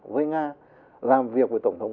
với nga làm việc với tổng thống